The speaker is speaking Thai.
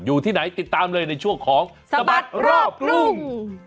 อยู่ที่ไหนติดตามเลยในช่วงของสบัดรอบกรุง